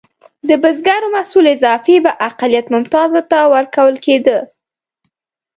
د بزګرو محصول اضافي به اقلیت ممتازو ته ورکول کېده.